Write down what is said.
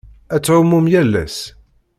Ad ttɛumun yal ass.